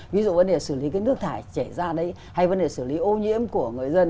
ví dụ vấn đề xử lý cái nước thải chảy ra đấy hay vấn đề xử lý ô nhiễm của người dân